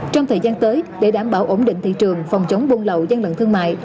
trong thời gian tới để đảm bảo ổn định thị trường phòng chống buôn lậu gian lận thương mại